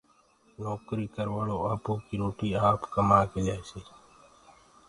نوڪري ڪروآݪو آپو ڪيِ روٽيِ آپ ڪيآسي۔